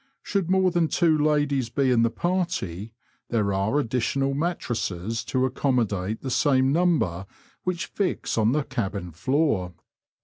Should more than two ladies be in the party, there are additional mattresses to accommodate the same number which fix on the cabin floor.